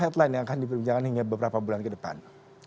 headline yang akan diperbincangkan hingga beberapa bulan ke depan